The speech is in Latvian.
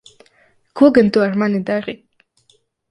Ko gan tu ar mani dari?